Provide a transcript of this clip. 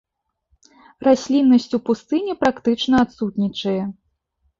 Расліннасць у пустыні практычна адсутнічае.